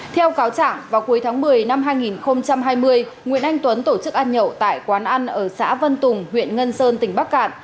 theo cáo trạng vào cuối tháng một mươi năm hai nghìn hai mươi nguyễn anh tuấn tổ chức ăn nhậu tại quán ăn ở xã vân tùng huyện ngân sơn tỉnh bắc cạn